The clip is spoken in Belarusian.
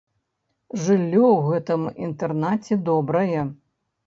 Жыллё ў гэтым інтэрнаце добрае.